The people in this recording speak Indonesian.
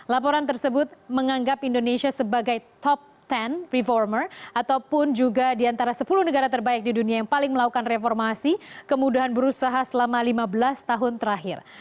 laporan tersebut menganggap indonesia sebagai top sepuluh reformer ataupun juga di antara sepuluh negara terbaik di dunia yang paling melakukan reformasi kemudahan berusaha selama lima belas tahun terakhir